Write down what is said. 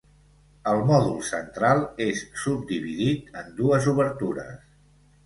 El mòdul central és subdividit en dues obertures.